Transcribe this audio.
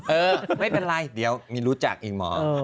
เออไม่เป็นไรเดี๋ยวมีรู้จักอีหมอ